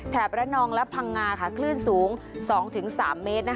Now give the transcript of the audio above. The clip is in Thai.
พระนองและพังงาคลื่นสูง๒๓เมตร